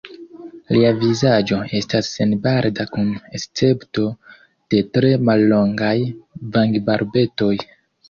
Lia vizaĝo estas senbarba kun escepto de tre mallongaj vangbarbetoj.